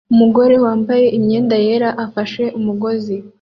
Umugore wambaye imyenda yera afashe umugozi